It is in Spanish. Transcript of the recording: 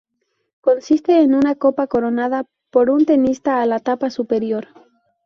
Consiste en una copa coronada por un tenista a la tapa superior.